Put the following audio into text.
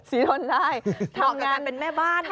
ทนได้ทำงานเป็นแม่บ้าน